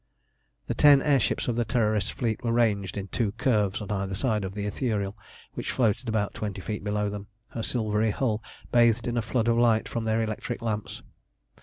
The ten air ships of the Terrorist fleet were ranged in two curves on either side of the Ithuriel, which floated about twenty feet below them, her silvery hull bathed in a flood of light from their electric lamps.